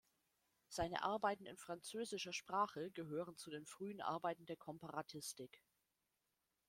Seine Arbeiten in französischer Sprache gehören zu den frühen Arbeiten der Komparatistik.